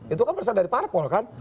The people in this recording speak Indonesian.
itu kan berasal dari parpol kan